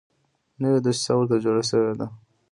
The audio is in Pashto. نوې دوسیه ورته جوړه شوې ده .